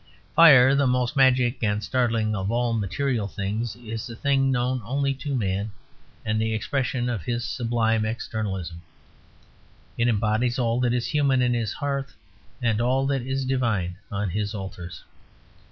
Fire, the most magic and startling of all material things, is a thing known only to man and the expression of his sublime externalism. It embodies all that is human in his hearths and all that is divine on his altars.